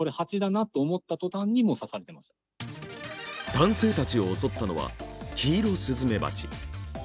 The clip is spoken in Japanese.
男性たちを襲ったのはキイロスズメバチ。